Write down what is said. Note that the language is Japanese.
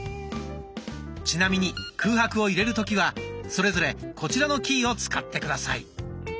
ちなみに空白を入れる時はそれぞれこちらのキーを使って下さい。